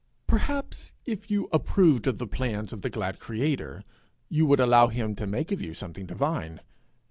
Perhaps if you approved of the plans of the glad creator, you would allow him to make of you something divine!